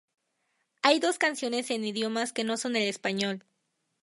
Hay dos canciones en idiomas que no son el español.